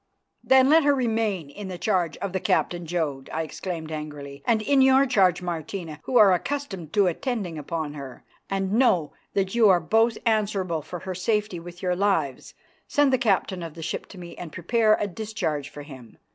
"Then let her remain in the charge of the Captain Jodd," I exclaimed angrily, "and in your charge, Martina, who are accustomed to attending upon her, and know that you are both answerable for her safety with your lives. Send the captain of the ship to me and prepare a discharge for him.